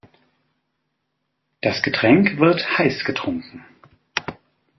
Das Getränk wird heiß getrunken.